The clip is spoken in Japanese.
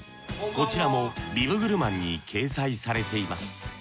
こちらもビブグルマンに掲載されています。